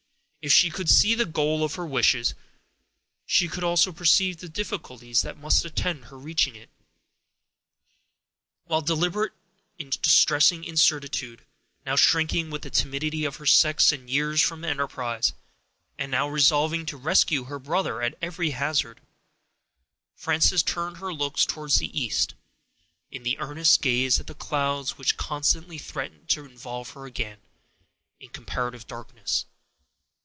If she could see the goal of her wishes, she could also perceive the difficulties that must attend her reaching it. While deliberating in distressing incertitude, now shrinking with the timidity of her sex and years from the enterprise, and now resolving to rescue her brother at every hazard, Frances turned her looks towards the east, in earnest gaze at the clouds which constantly threatened to involve her again in comparative darkness.